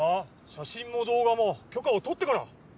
写真も動画も許可を取ってから。